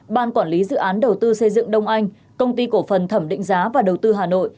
ban quản lý dự án đầu tư xây dựng đông anh công ty cổ phần thẩm định giá và đầu tư hà nội